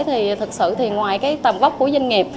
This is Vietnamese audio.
thì thật sự ngoài tầm gốc của doanh nghiệp